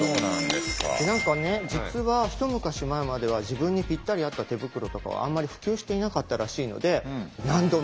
で何かね実は一昔前までは自分にぴったり合った手袋とかはあんまり普及していなかったらしいのでマジ！？